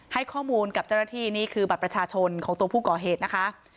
ให้ข้อมูลกับเจ้าหน้าที่นี่คือบัตรประชาชนของตัวผู้ก่อเหตุนะคะ